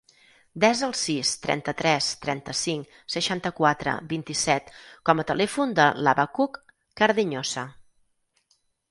Desa el sis, trenta-tres, trenta-cinc, seixanta-quatre, vint-i-set com a telèfon de l'Habacuc Cardeñosa.